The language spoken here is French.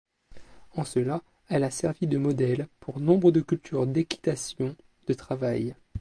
En cela, elle a servi de modèle pour nombre de cultures d'équitation de travail.